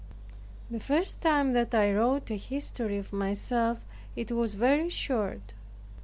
The first time that I wrote a history of myself, it was very short.